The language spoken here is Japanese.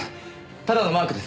ただのマークです。